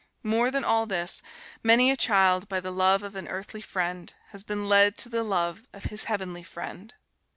More than all this, many a child, by the love of an earthly friend, has been led to the love of his heavenly Friend.